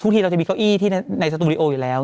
ทีเราจะมีเก้าอี้ที่ในสตูดิโออยู่แล้ว